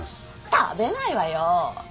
食べないわよ。